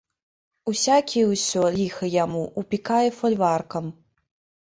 Усякі ўсё, ліха яму, упікае фальваркам.